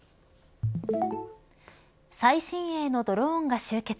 最新鋭のドローンが集結。